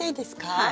はい。